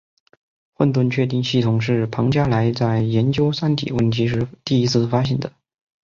混沌确定系统是庞加莱在研究三体问题时第一次发现的。